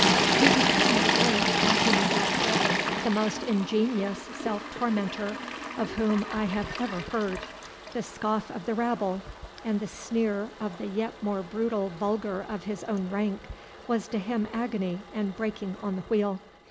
"He became at length," continued Ratcliffe, "the most ingenious self tormentor of whom I have ever heard; the scoff of the rabble, and the sneer of the yet more brutal vulgar of his own rank, was to him agony and breaking on the wheel.